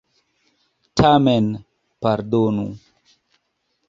Tamen, pardonu.